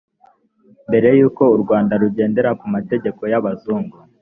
mbere yuko u rwanda rugendera ku mategeko y abazungu